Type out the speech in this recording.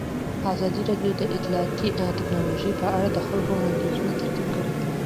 ازادي راډیو د اطلاعاتی تکنالوژي په اړه د خلکو وړاندیزونه ترتیب کړي.